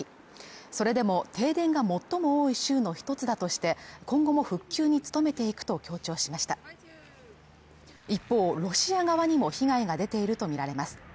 それでも停電が最も多い州の一つだとして今後も復旧に努めていくと強調しました一方ロシア側にも被害が出ていると見られます